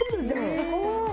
すごい！